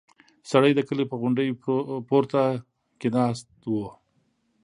سړی د کلي په غونډۍ پورته کې ناست و.